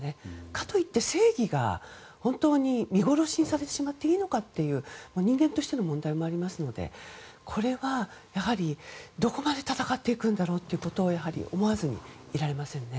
かといって、正義が本当に見殺しにされてしまっていいのかという人間としての問題もありますのでこれはやはりどこまで戦っていくんだろうと思わずにいられませんね。